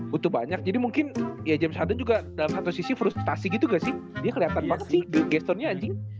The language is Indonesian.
butuh banyak jadi mungkin ya james hudden juga dalam satu sisi frustasi gitu ga sih dia keliatan banget sih gestonnya anjing